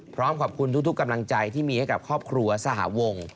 พร้อมขอบคุณทุกกำลังใจที่มีให้กับครอบครัวสหวง